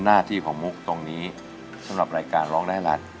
หน้าที่ของมุกตรงนี้สำหรับรายการร้องได้ให้ล้าน